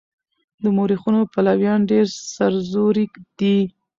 د مورخينو پلويان ډېر سرزوري دي.